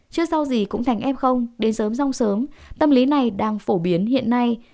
trước sau gì cũng thành ép không đến sớm rong sớm tâm lý này đang phổ biến hiện nay